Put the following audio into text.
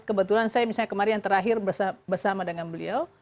kebetulan saya misalnya kemarin terakhir bersama dengan beliau